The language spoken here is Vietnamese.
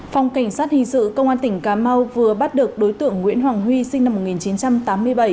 phòng cảnh sát hình sự công an tỉnh cà mau vừa bắt được đối tượng nguyễn hoàng huy sinh năm một nghìn chín trăm tám mươi bảy